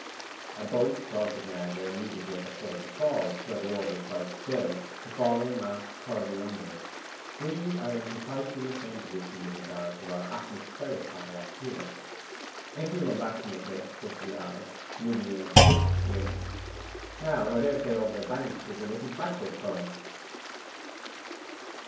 'A boat crosses Niagara immediately at the foot of the falls, where the water is quite still, the fallen mass curving under it. We are in precisely the same position with regard to our atmospheric cataract here. If you run back from the cliff fifty yards, you will be in a brisk wind. Now I daresay over the bank is a little backward current.